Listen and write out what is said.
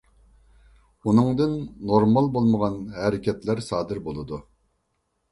ئۇنىڭدىن نورمال بولمىغان ھەرىكەتلەر سادىر بولىدۇ.